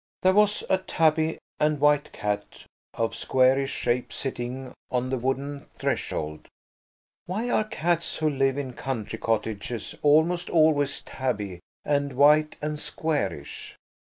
There was a tabby and white cat of squarish shape sitting on the wooden threshold. (Why are cats who live in country cottages almost always tabby and white and squarish?)